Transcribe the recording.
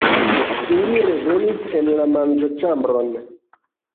Ili revenis en la manĝoĉambron.